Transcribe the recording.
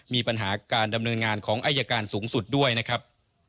มีปัญหาการดำเนินงานของอายการสูงสุดด้วยนะครับ